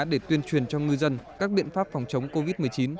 để tuyên truyền cho ngư dân các biện pháp phòng chống covid một mươi chín